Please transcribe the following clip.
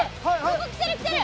ここ来てる来てる。